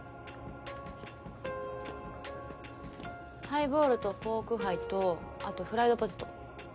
ハイボールとコークハイとあとフライドポテト。